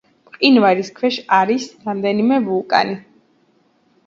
მყინვარის ქვეშ არის რამდენიმე ვულკანი.